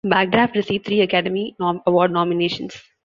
Backdraft received three Academy Award Nominations.